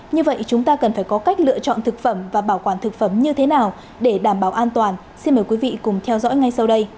như vậy chúng ta cần phải có cách lựa chọn thực phẩm và bảo quản thực phẩm như thế nào để đảm bảo an toàn xin mời quý vị cùng theo dõi ngay sau đây